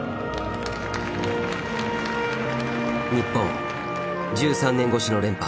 日本１３年ごしの連覇。